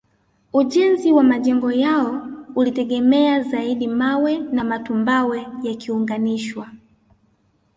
Ujenzi wa majengo yao ulitegemea zaidi mawe na matumbawe yakiunganishwa